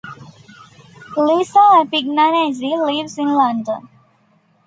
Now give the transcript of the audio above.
Lisa Appignanesi lives in London.